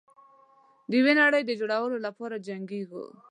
د یوې نړۍ د جوړولو لپاره وجنګیږو.